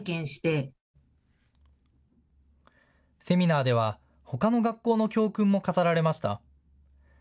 セミナーではほかの学校の教訓も語られました。